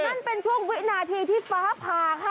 นั่นเป็นช่วงวินาทีที่ฟ้าผ่าค่ะ